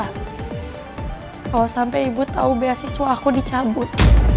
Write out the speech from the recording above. kalau sampai ibu tahu beasiswa aku dicabut